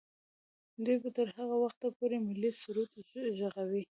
دوی به تر هغه وخته پورې ملي سرود ږغوي.